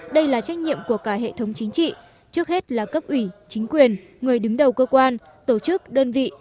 đây là trách nhiệm của cả hệ thống chính trị trước hết là cấp ủy chính quyền người đứng đầu cơ quan tổ chức đơn vị